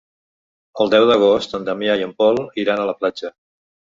El deu d'agost en Damià i en Pol iran a la platja.